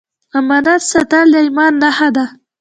امانت ساتل د ایمان نښه ده